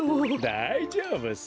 だいじょうぶさ。